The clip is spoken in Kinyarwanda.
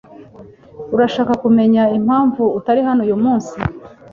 Urashaka kumenya impamvu atari hano uyumunsi?